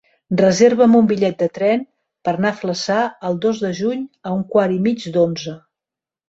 Reserva'm un bitllet de tren per anar a Flaçà el dos de juny a un quart i mig d'onze.